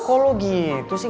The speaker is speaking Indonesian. kok lo gitu sih